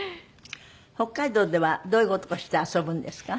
北海道ではどういう事をして遊ぶんですか？